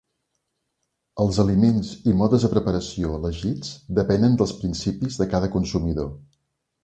Els aliments i modes de preparació elegits depenen dels principis de cada consumidor.